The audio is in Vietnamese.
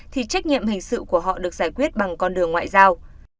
thì trách nhiệm hình sự của họ được giải quyết bằng con đường ngoại giao